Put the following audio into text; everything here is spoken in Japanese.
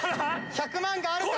１００万があるか？